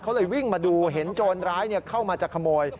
เขาเลยวิ่งมาดูเห็นโจรร้ายเข้ามาจะขโมย